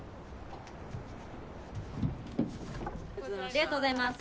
ありがとうございます。